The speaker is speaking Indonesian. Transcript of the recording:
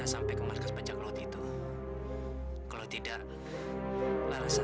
pasti pikirannya kita tidak tenang